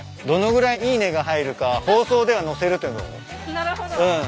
どのぐらいいいねが入るか放送では載せるってのはどう？